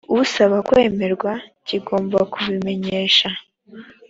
usaba kwemerwa kigomba kubimenyesha